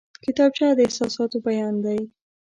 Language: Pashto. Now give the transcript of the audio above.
کتابچه د احساساتو بیان دی